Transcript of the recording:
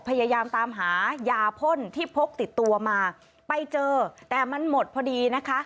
พยายามตามหายาพ่นที่พกติดตัวมาไปเจอแต่มันหมดพอดีนะคะ